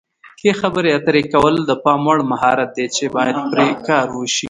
ښې خبرې اترې کول د پام وړ مهارت دی چې باید پرې کار وشي.